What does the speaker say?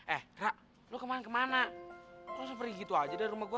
eh ra lo kemana kemana lo sampe begitu aja dari rumah gue